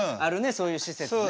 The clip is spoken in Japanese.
そういう施設ね。